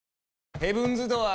ヘブンズ・ドアー！